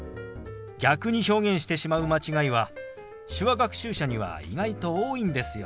逆に表現してしまう間違いは手話学習者には意外と多いんですよ。